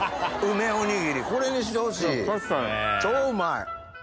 超うまい。